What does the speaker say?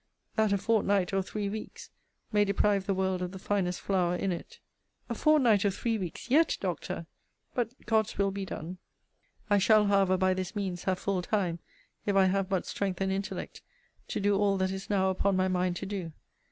That a fortnight or three weeks may deprive the world of the finest flower in it. A fortnight or three weeks yet, Doctor? But God's will be done! I shall, however, by this means, have full time, if I have but strength and intellect, to do all that is now upon my mind to do.